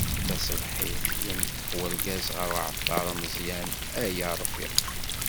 Tasebḥit, yenṭeq urgaz γer uεeṭṭar ameẓyan: Ay arfiq.